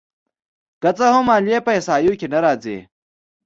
که څه هم ماليې په احصایو کې نه راځي